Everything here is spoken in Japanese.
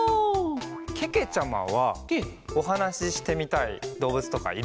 けけちゃまはおはなししてみたいどうぶつとかいる？